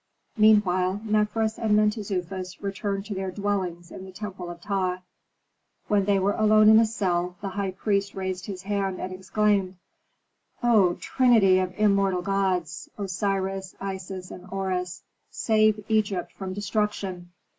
Meanwhile Mefres and Mentezufis returned to their dwellings in the temple of Ptah. When they were alone in a cell, the high priest raised his hands, and exclaimed, "O Trinity of immortal gods, Osiris, Isis, and Horus, save Egypt from destruction!